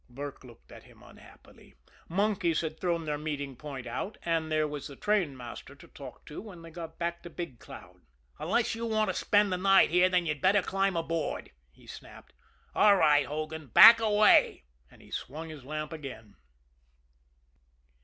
Burke looked at him unhappily monkeys had thrown their meeting point out and there was the trainmaster to talk to when they got back to Big Cloud. "Unless you want to spend the night here you'd better climb aboard," he snapped. "All right, Hogan back away!" And he swung his lamp again.